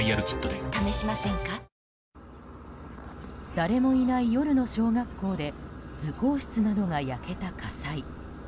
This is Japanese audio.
誰もいない夜の小学校で図工室などが焼けた火災。